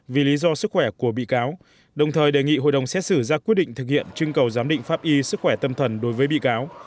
vì lý do sức khỏe của bị cáo đồng thời đề nghị hội đồng xét xử ra quyết định thực hiện chương cầu giám định pháp y sức khỏe tâm thần đối với bị cáo